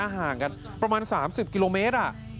ห่างกันประมาณ๓๐กิโลเมตร